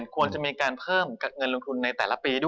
ก็จะได้ระยะเวลาที่